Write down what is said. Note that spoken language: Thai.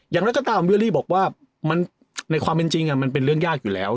อย่างไรก็ตามเวียรี่บอกว่าในความเป็นจริงมันเป็นเรื่องยากอยู่แล้ว